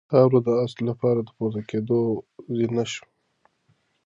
خاوره د آس لپاره د پورته کېدو زینه شوه.